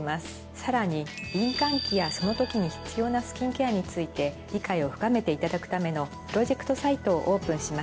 さらに敏感期やその時に必要なスキンケアについて理解を深めていただくためのプロジェクトサイトをオープンしました。